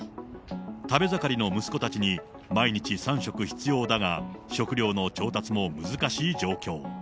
食べ盛りの息子たちに毎日３食必要だが、食料の調達も難しい状況。